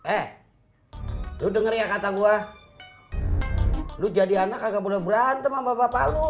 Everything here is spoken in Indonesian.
eh lu denger ya kata gue lu jadi anak agak bener berantem sama bapak lu